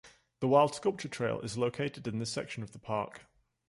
The "Wild Sculpture Trail" is located in this section of the park.